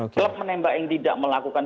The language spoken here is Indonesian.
klub menembak yang tidak melakukan